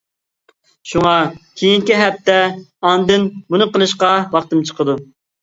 شۇڭا كېيىنكى ھەپتە ئاندىن بۇنى قىلىشقا ۋاقتىم چىقىدۇ.